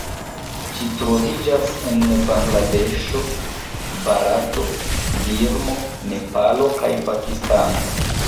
Ĝi troviĝas en Bangladeŝo, Barato, Birmo, Nepalo kaj Pakistano.